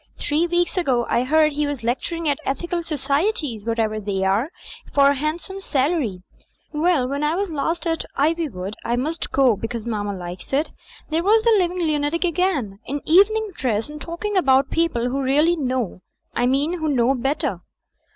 Three weeks ago I heard he was lecturing at Ethical Societies — whatever they are — for a handsome salary. Well, when I was last at Ivywood — I must go because Mamma likes it — there was the living lunatic again, in evening dress, and talked about by people who really know, I mean who know better.